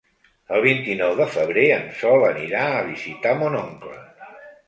El vint-i-nou de febrer en Sol anirà a visitar mon oncle.